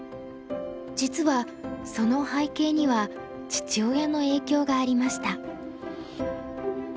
実はその背景には父親の影響がありました。